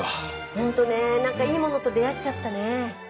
ホントねなんかいいものと出会っちゃったね。